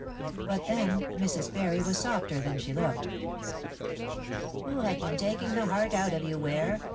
But then, Mrs. Parry was softer than she looked. "Who had been taking the heart out of you, Ware?"